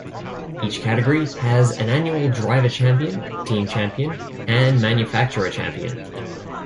Each category has an annual driver champion, team champion, and manufacturer champion.